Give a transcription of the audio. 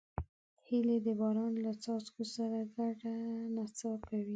هیلۍ د باران له څاڅکو سره ګډه نڅا کوي